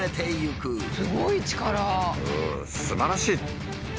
うんすばらしい！